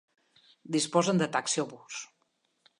Disposen de taxi o bus.